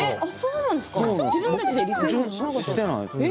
自分たちでリクエストしていないんですね。